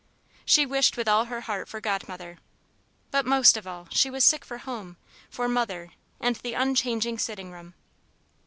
She wished with all her heart for Godmother. But most of all she was sick for home, for Mother, and the unchanging sitting room.